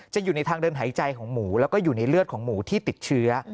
อยู่ในทางเดินหายใจของหมูแล้วก็อยู่ในเลือดของหมูที่ติดเชื้อ